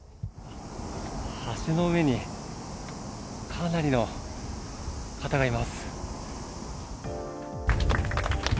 橋の上にかなりの方がいます。